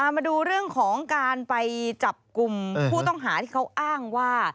มาดูเรื่องของการไปจับกลุ่มผู้ต้องหาที่เขาอ้างว่า